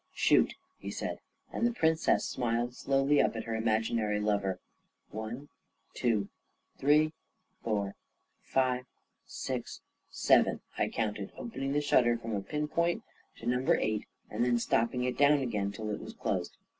" Shoot 1 " he said, and the Princess smiled slowly up at her imaginary lover. 11 One — two — three — four — five — six — seven," I counted, opening the shutter from a pin point to number eight, and then stopping it down again till it was closed.